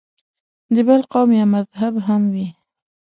د بل قوم یا مذهب هم وي.